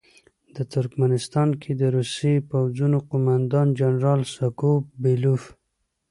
د ترکمنستان کې د روسي پوځونو قوماندان جنرال سکو بیلوف.